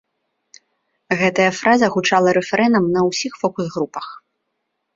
Гэтая фраза гучала рэфрэнам на ўсіх фокус-групах.